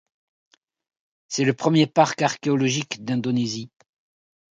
C'est le premier parc archéologique d'Indonésie.